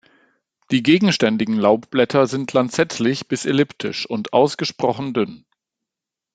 Die gegenständigen Laubblätter sind lanzettlich bis elliptisch und ausgesprochen dünn.